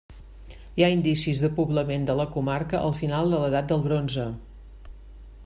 Hi ha indicis de poblament de la comarca al final de l'edat del bronze.